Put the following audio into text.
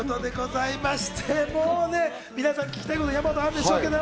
皆さん、聞きたいこと山ほどあるでしょうけど。